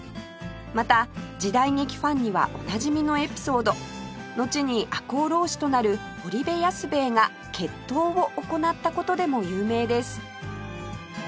また時代劇ファンにはおなじみのエピソードのちに赤穂浪士となる堀部安兵衛が決闘を行った事でも有名です